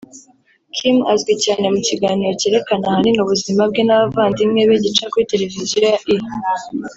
Kim azwi cyane mu kiganiro cyerekana ahanini ubuzima bwe n’abavandimwe be gica kuri televisiyo ya E